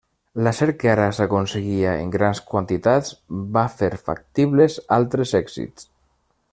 L'acer que ara s'aconseguia en grans quantitats va fer factibles altres èxits.